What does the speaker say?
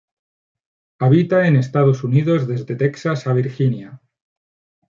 Habita en Estados Unidos, desde Texas a Virginia.